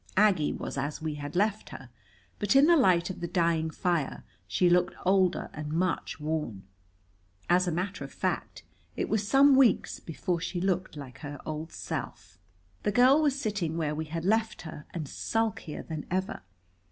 Aggie was as we had left her, but in the light of the dying fire she looked older and much worn. As a matter of fact, it was some weeks before she looked like her old self. The girl was sitting where we had left her, and sulkier than ever.